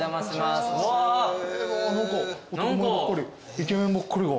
イケメンばっかりが。